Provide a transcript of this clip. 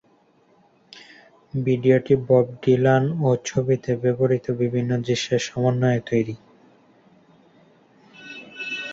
ভিডিওটি Bob Dylan ও ছবিতে ব্যবহৃত বিভিন্ন দৃশ্যের সমন্বয়ে তৈরি।